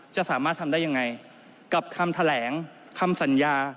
จะสามารถทำได้ยังไงกับคำแถลงคำสัญญา